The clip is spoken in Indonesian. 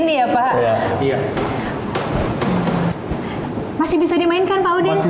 dan cuma satu satunya masih bisa berfungsi dengan baik di sini ya pak